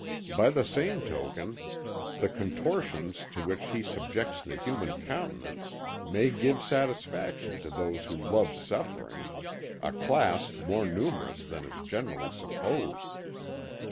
By the same token, the contortions to which he subjects the human countenance may give satisfaction to those who love suffering, a class more numerous than is generally supposed."